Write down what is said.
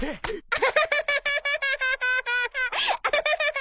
アハハハハハ！